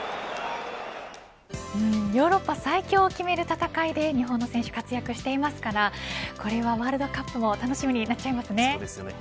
ヨーロッパ最強を決める戦いで日本の選手、活躍していますからこれはワールドカップも楽しみになりますね。